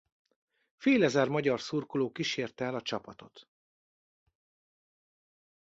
Félezer magyar szurkoló kísérte el a csapatot.